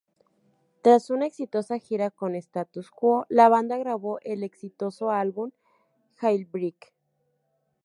Tras una exitosa gira con Status Quo, la banda grabó el exitoso álbum "Jailbreak".